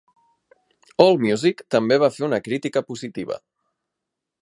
Allmusic també va fer una crítica positiva.